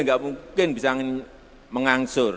nggak mungkin bisa mengangsur